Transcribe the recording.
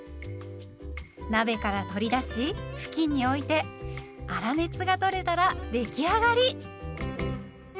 鍋から取り出し布巾に置いて粗熱がとれたら出来上がり。